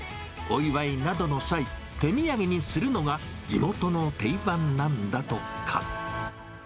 お祝いなどの際、手土産にするのが地元の定番なんだとか。